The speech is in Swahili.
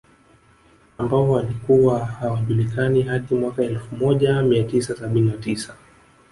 Ambao walikuwa hawajulikani hadi mwaka Elfu moja mia tisa sabini na tisa